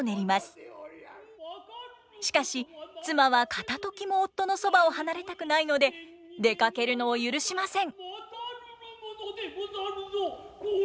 しかし妻は片ときも夫のそばを離れたくないので出かけるのを許しません。